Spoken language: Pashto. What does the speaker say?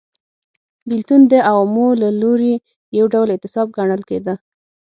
بېلتون د عوامو له لوري یو ډول اعتصاب ګڼل کېده